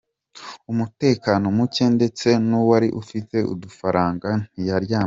Umutekano muke, ndetse n’uwari ufite udufaranga ntiyaryamaga.